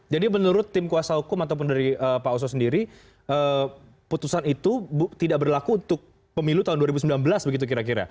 jadi menurut tim kuasa hukum ataupun dari pak oso sendiri putusan itu tidak berlaku untuk pemilu tahun dua ribu sembilan belas begitu kira kira